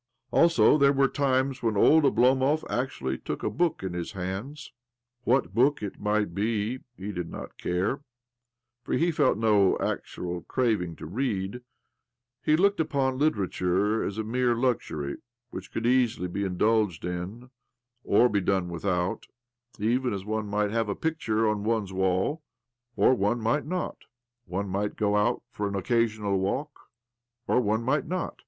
Also, there were times when old Oblomov actually took a book in his hands. Whiat book it might be he did not care, for hte felt no actual craving to read; he looked upon literature as a mere luxury which could easily be indulged in, or be done without, even as one might have a picture on one's wall, or one might not — one might go out for an occasional walk, or one might noit.